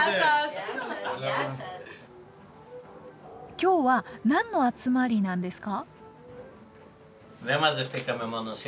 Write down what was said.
今日は何の集まりなんですか？